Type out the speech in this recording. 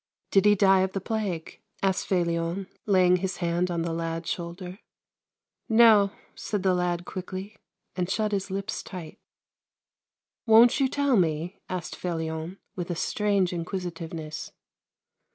" Did he die of the plague ?" asked Felion, laying his hand on the lad's shoulder. " No," said the lad quickly, and shut his lips tight. " Won't you tell me ?" asked Felion, with a strange inquisitiveness.